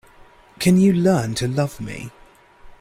Can you learn to love me?